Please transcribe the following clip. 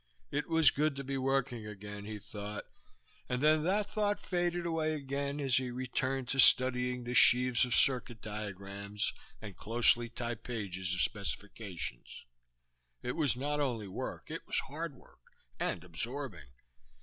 It was good to be working again, he thought, and then that thought faded away again as he returned to studying the sheaves of circuit diagrams and closely typed pages of specifications. It was not only work, it was hard work, and absorbing.